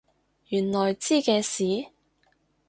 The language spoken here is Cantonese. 原來知嘅事？